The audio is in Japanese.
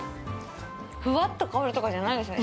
ふわっと香るとかじゃないんですね。